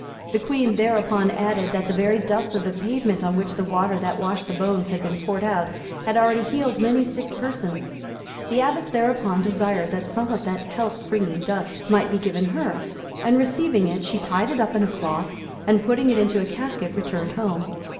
The queen thereupon added, that the very dust of the pavement on which the water that washed the bones had been poured out, had already healed many sick persons. The abbess thereupon desired that some of that health bringing dust might be given her, and, receiving it, she tied it up in a cloth, and, putting it into a casket, returned home.